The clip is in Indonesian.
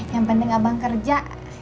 yang penting abang kerja